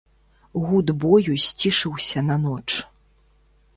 Гуд бою сцішыўся на ноч.